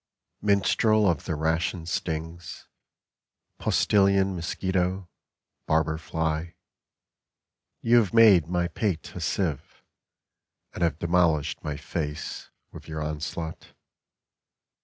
MINSTREL of the rash and stings, Postilion mosquito, barber fly ; You have made my pate a sieve, And have demolished my face with your onslaught.